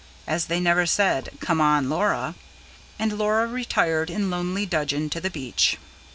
as they never said: "Come on, Laura!" and Laura retired in lonely dudgeon to the beach.